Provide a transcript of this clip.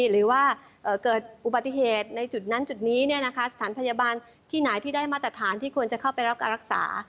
หรือว่าเกิดอุบัติเหตุในจุดนั้นจุดนี้สถานพยาบาลที่ไหนที่ได้มาตรฐานที่ควรจะเข้าไปรับการรักษา